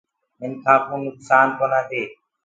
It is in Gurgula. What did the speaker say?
منکآ ڪوُ نُڪسآن ڪونآ دي۔